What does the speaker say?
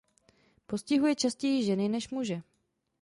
Postihuje častěji ženy než muže.